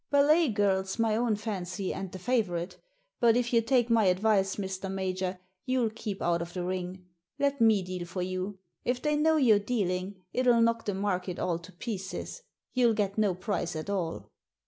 Ballet Girl's my own fancy, and the favourite. But, if you take my advice, Mr. Major, you'll keep out of the ring. Let me deal for j^u. If they know you're dealing it'll knock the market all to pieces ; youll get no price at all"